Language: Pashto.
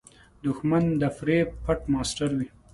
دښمن د فریب پټ ماسټر وي